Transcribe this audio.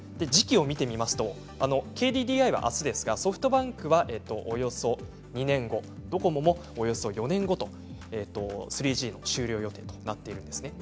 時期を見てみるとＫＤＤＩはあすですがソフトバンクはおよそ２年後ドコモもおよそ４年後と３Ｇの終了となっているんです。